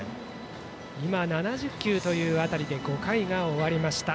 今７０球という辺りで５回が終わりました。